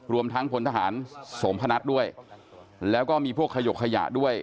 รวมทั้งพลทหารสมพนัทด้วยแล้วก็มีพวกขยกขยะด้วย